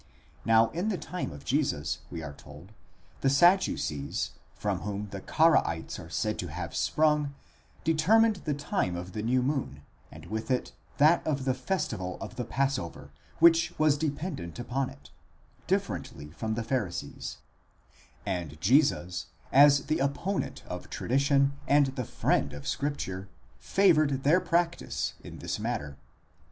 Now in the time of Jesus, we are told, the Sadducees, from whom the Caraites are said to have sprung, determined the time of the new moon, and with it that of the festival of the passover, which was dependent upon it, differently from the Pharisees ; and Jesus, as the opponent of tradition and the friend of scripture, favoured their practice in this matter.!?